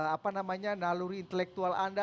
apa namanya naluri intelektual anda